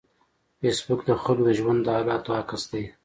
فېسبوک د خلکو د ژوند د حالاتو عکس دی